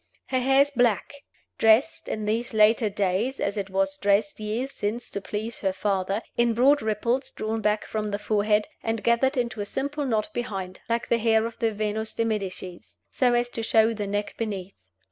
Her hair is black; dressed, in these later days (as it was dressed years since to please her father), in broad ripples drawn back from the forehead, and gathered into a simple knot behind (like the hair of the Venus de Medicis), so as to show the neck beneath.